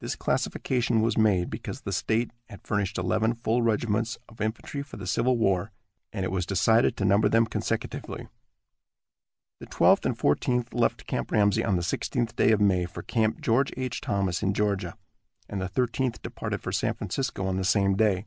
This classification was made because the state had furnished eleven full regiments of infantry for the Civil War, and it was decided to number them consecutively. The Twelfth and Fourteenth left Camp Ramsey on the sixteenth day of May for Camp George H. Thomas in Georgia, and the Thirteenth departed for San Francisco on the same day.